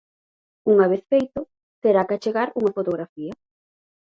Unha vez feito, terá que achegar unha fotografía.